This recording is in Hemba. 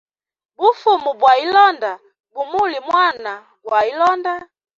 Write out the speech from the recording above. Bufumu bwa hilonda bumulya mwana gwa ilonda.